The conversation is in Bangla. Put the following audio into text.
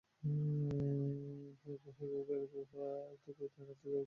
হ্যাগো কাইলগো আইতে কইতেন, আনতে যাওয়ার সময় নাই।